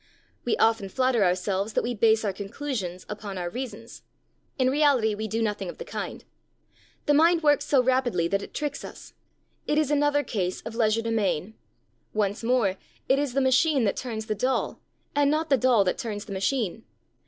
We often flatter ourselves that we base our conclusions upon our reasons. In reality, we do nothing of the kind. The mind works so rapidly that it tricks us. It is another case of legerdemain. Once more, it is the machine that turns the doll, and not the doll that turns the machine.